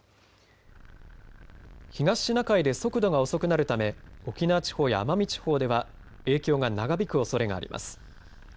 東シナ海で速度が遅くなるため沖縄地方や奄美地方では影響が長引くおそれがあります。